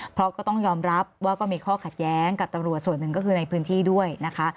เพราะก็ต้องยอมรับว่าก็มีข้อขัดแย้งกับตำรวจส่วนหนึ่งก็คือในพื้นที่ด้วยนะคะ